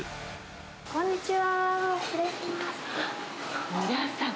こんにちは。